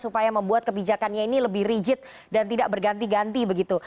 supaya membuat kebijakannya ini lebih rigid dan tidak berganti ganti begitu